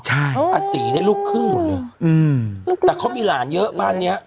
ใช่อาตีได้ลูกครึ่งหมดเลยอืมแต่เขามีหลานเยอะบ้านเนี้ย